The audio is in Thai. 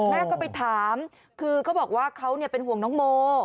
แม่ก็ไปถามคือเขาบอกว่าเขาเป็นห่วงน้องโม